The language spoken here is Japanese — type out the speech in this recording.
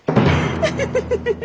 ウフフフフ。